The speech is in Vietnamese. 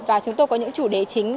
và chúng tôi có những chủ đề chính